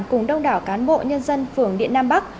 cùng đông đảo cán bộ nhân dân phường điện nam bắc